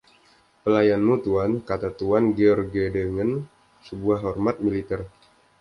“Pelayanmu, tuan,” kata Tuan Georgedengan sebuah hormat militer.